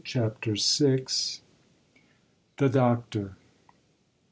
CHAPTER VI. THE DOCTOR.